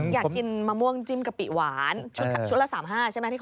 อยากกินมะม่วงจิ้มกะปิหวานชุดละ๓๕ใช่ไหม